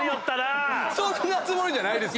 そんなつもりじゃないです。